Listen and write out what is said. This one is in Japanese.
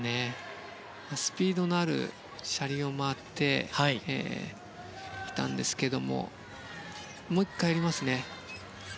スピードのある車輪を回っていたんですがもう１回、やりますね。